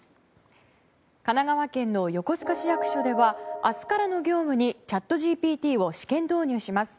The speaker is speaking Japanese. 神奈川県の横須賀市役所では明日からの業務にチャットＧＰＴを試験導入します。